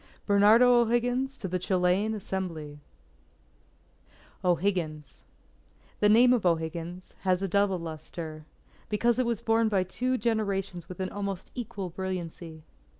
_ BERNARDO O'HIGGINS, to the Chilean Assembly O'HIGGINS _The name of O'Higgins ... has a double lustre; because it was borne by two generations with an almost equal brilliancy.